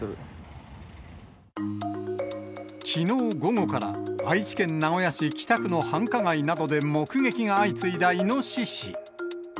きのう午後から、愛知県名古屋市北区の繁華街などで目撃が相次いだイノシシ。